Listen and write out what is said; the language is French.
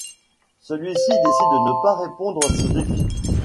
Celui-ci décide de ne pas répondre à ce défi.